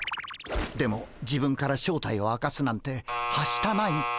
でも自分から正体を明かすなんてはしたない。